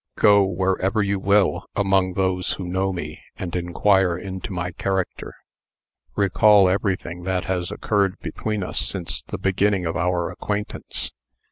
Go, wherever you will, among those who know me, and inquire into my character. Recall everything that has occurred between us since the beginning of our acquaintance.